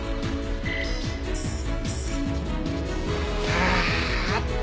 ああ合った！